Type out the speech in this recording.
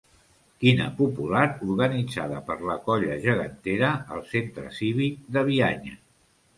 Quina popular organitzada per la Colla Gegantera al Centre Cívic de Bianya.